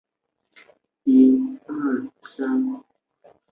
沙瓦讷勒维龙是瑞士联邦西部法语区的沃州下设的一个镇。